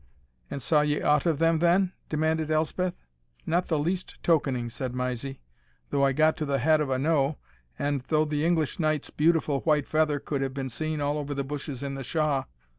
"And saw ye ought of them then?" demanded Elspeth. "Not the least tokening," said Mysie, "though I got to the head of a knowe, and though the English knight's beautiful white feather could have been seen over all the bushes in the Shaw."